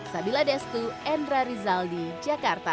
sabila destu endra rizal di jakarta